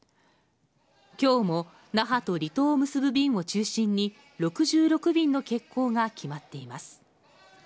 きょうも那覇と離島を結ぶ便を中心に、６６便の欠航が決まっています。